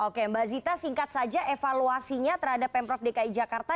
oke mbak zita singkat saja evaluasinya terhadap pemprov dki jakarta